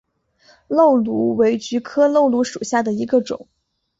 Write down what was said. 漏芦为菊科漏芦属下的一个种。